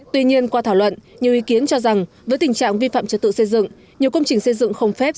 tuy nhiên qua thảo luận nhiều ý kiến cho rằng với tình trạng vi phạm trật tự xây dựng nhiều công trình xây dựng không phép